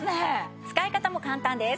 使い方も簡単です。